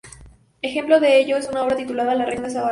Ejemplo de ello es su obra titulada "La reina del Sabbath".